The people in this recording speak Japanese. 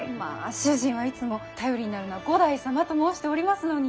主人はいつも「頼りになるのは五代様」と申しておりますのに。